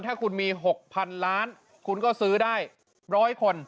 ถ้าคุณมี๖๐๐๐ล้านคุณก็ซื้อได้๑๐๐คน